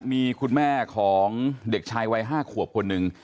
มีคุณแม่ของเด็กชายวัย๕ขวบคนหนึ่ง